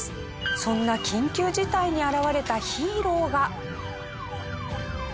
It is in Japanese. そんな緊急事態に現れたヒーローが。